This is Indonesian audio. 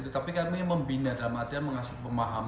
tidak ada kami tidak ada apa apa penggajian itu